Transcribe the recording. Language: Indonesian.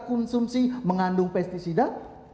konsumsi mengandung pesticida